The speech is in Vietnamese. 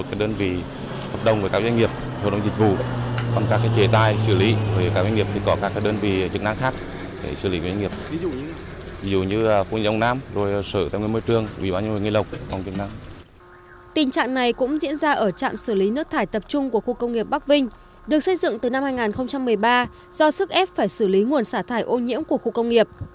trạm xử lý nước thải tập trung của khu công nghiệp bắc vinh được xây dựng từ năm hai nghìn một mươi ba do sức ép phải xử lý nguồn xả thải ô nhiễm của khu công nghiệp